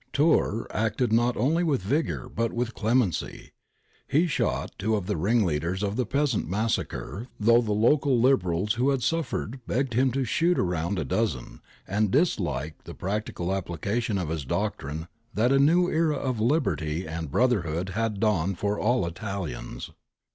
Tiirr acted not only with vigour but with clemency. He shot two of the ring leaders of the peasant massacre, though the local Liberals who had suffered begged him to shoot a round dozen, and disliked the practical appli cation of his doctrine that a new era of liberty and brotherhood had dawned for all Italians.